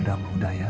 udah udah udah ya